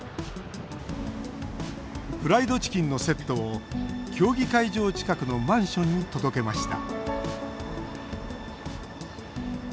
フライドチキンのセットを競技会場近くのマンションに届けました